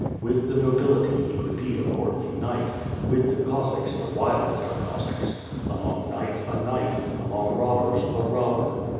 With the nobility he could be a courtly knight, with the Cossacks, the wildest of Cossacks, among knights, a knight, among robbers, a robber.